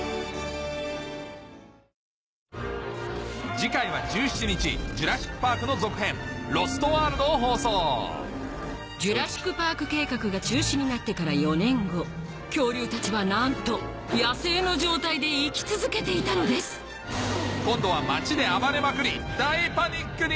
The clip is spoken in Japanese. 次回は１７日『ジュラシック・パーク』の続編『ロスト・ワールド』を放送ジュラシック・パーク計画が中止になってから４年後恐竜たちはなんと野生の状態で生き続けていたのです今度は街で暴れまくり大パニックに！